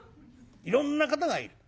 いろんな方がいる。